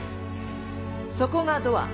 そこがドア。